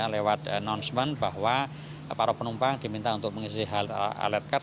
lewat announcement bahwa para penumpang diminta untuk mengisi alert card